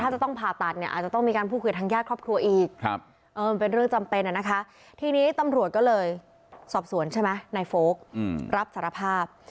สอบสวนใช่ไหมนายโฟกรับสารภาพ